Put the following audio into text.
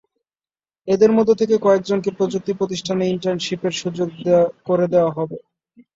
এদের মধ্য থেকে কয়েকজনকে প্রযুক্তি প্রতিষ্ঠানে ইন্টার্নশিপের সুযোগ করে দেওয়া হবে।